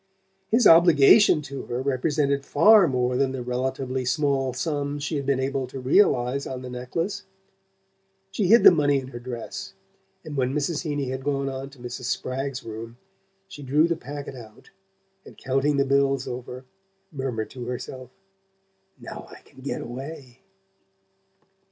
His obligation to her represented far more than the relatively small sum she had been able to realize on the necklace. She hid the money in her dress, and when Mrs. Heeny had gone on to Mrs. Spragg's room she drew the packet out, and counting the bills over, murmured to herself: "Now I can get away!"